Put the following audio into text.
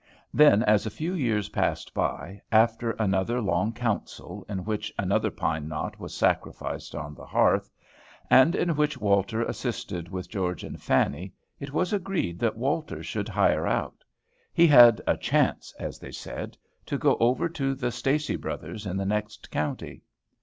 Then, as a few years passed by, after another long council, in which another pine knot was sacrificed on the hearth, and in which Walter assisted with George and Fanny, it was agreed that Walter should "hire out." He had "a chance," as they said, to go over to the Stacy Brothers, in the next county.